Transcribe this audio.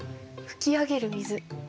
噴き上げる水。